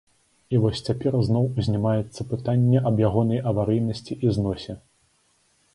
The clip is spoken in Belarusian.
І вось цяпер зноў узнімаецца пытанне аб ягонай аварыйнасці і зносе.